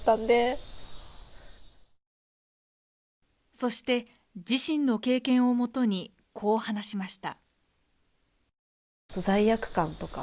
そして自身の経験をもとにこう話しました。